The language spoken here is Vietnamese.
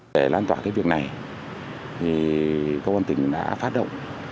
để lan tỏa cái việc này công an tỉnh đã phát động